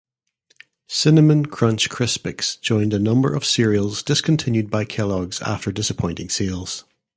Cinnamon Crunch Crispix joined a number of cereals discontinued by Kellogg's after disappointing sales.